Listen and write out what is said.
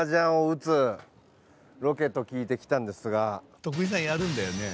徳井さんやるんだよね。